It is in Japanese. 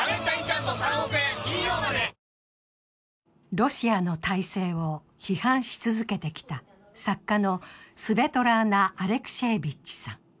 ロシアの体制を批判し続けてきた作家のスヴェトラーナ・アレクシエーヴィッチさん。